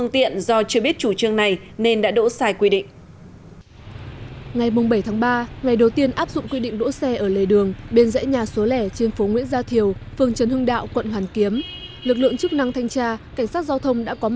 nắm rõ chủ trương chỉ đạo của ủy ban nhân dân thành phố